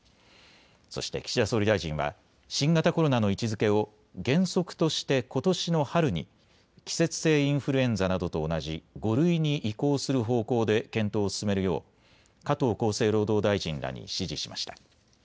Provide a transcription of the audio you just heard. そして岸田総理大臣は新型コロナの位置づけを原則としてことしの春に季節性インフルエンザなどと同じ５類に移行する方向で検討を進めるよう加藤厚生労働大臣らに指示しました。